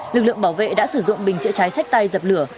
lực lượng bảo vệ đã sử dụng bình chữa cháy sách tay dập lửa